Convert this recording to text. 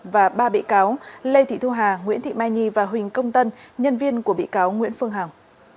và ba bị cáo lê thị thu hà nguyễn thị mai nhi và huỳnh công tân nhân viên của bị cáo nguyễn phương hằng